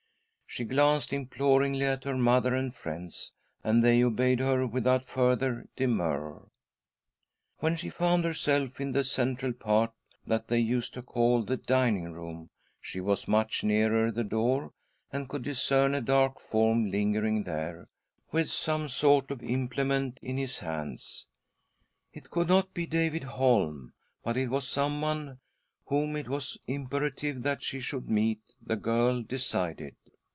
She glanced imploringly at her mother and friends, and they obeyed her without further demur. When she found herself in the central part that they used to call the dining room she was much nearer the door, and could discern a dark form lingering there, with some sort of implement in his hands. It could not be David Holm, but it was someone whom it was imperative that she should meet, the girl decided.